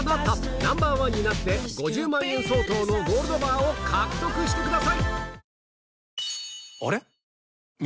ナンバーワンになって５０万円相当のゴールドバーを獲得してください